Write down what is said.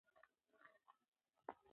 سالم خواړه د بدن د سم فعالیت لپاره اړین دي.